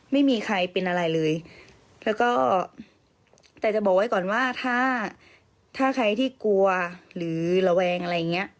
ไม่มีใครเป็นอะไรเลยแล้วก็แต่จะบอกไว้ก่อนว่าถ้าถ้าใครที่กลัวหรือระแวงอะไรอย่างเงี้ย